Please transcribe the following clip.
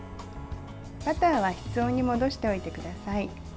バターは室温に戻しておいてください。